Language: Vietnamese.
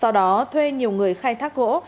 sau đó thuê nhiều người khai thác gỗ